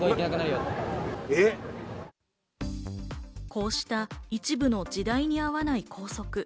こうした一部の時代に合わない校則。